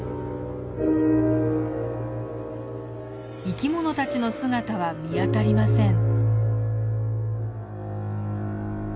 生き物たちの姿は見当たりません。